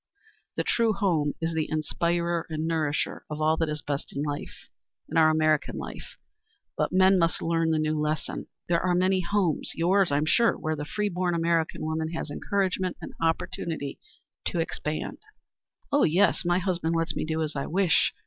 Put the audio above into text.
The true home is the inspirer and nourisher of all that is best in life in our American life; but men must learn the new lesson. There are many homes yours, I'm sure where the free born American woman has encouragement and the opportunity to expand." "Oh, yes. My husband lets me do as I wish.